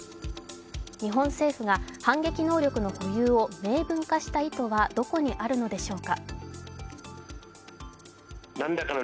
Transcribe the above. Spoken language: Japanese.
日本政府が反撃能力の保有を明文化した意図はどこにあるのでしょうか。